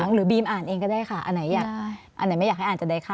หรือบีมอ่านเองก็ได้ค่ะอันไหนอยากอันไหนไม่อยากให้อ่านจะได้ค่า